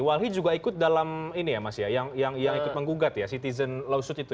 walhi juga ikut dalam ini ya mas ya yang ikut menggugat ya citizen lawsuit itu